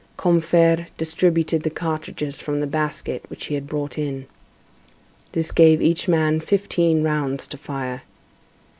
Combeferre distributed the cartridges from the basket which he had brought in. This gave each man fifteen rounds to fire.